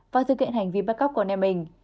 và dự kiện hành vi bắt góc con em mình